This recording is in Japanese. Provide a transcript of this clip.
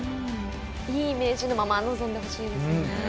いいイメージのまま臨んでほしいですよね。